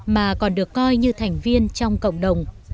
mà còn được coi như thành viên trong cộng đồng